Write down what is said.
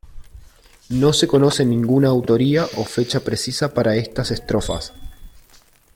No se conoce ninguna autoría o fecha precisa para estas estrofas.